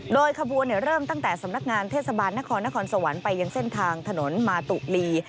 โดยขบวนเริ่มตั้งแต่สำนักงานเทศบาลนครนครสวรรค์ไปยังเส้นทางถนนมาตุลี